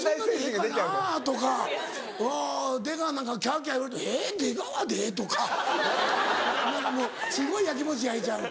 出川なんかキャキャ言われると「えっ出川で？」とか。何かもうすごい焼きもち焼いちゃう。